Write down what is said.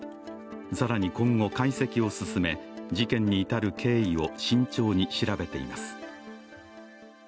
更に今後、解析を進め、事件に至る経緯を慎重に調べています。